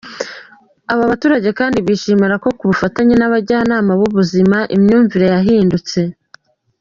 Aba baturage kandi bishimira ko ku bufatanye n’abajyanama b’ubuzima, imyumvire yahindutse.